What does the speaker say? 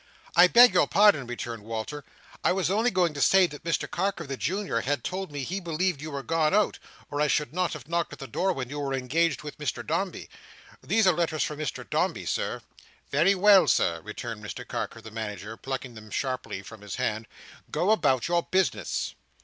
"I beg your pardon," returned Walter. "I was only going to say that Mr Carker the Junior had told me he believed you were gone out, or I should not have knocked at the door when you were engaged with Mr Dombey. These are letters for Mr Dombey, Sir." "Very well, Sir," returned Mr Carker the Manager, plucking them sharply from his hand. "Go about your business."